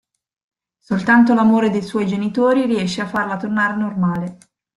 Soltanto l'amore dei suoi genitori riesce a farla tornare normale.